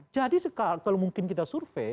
jadi kalau mungkin kita survei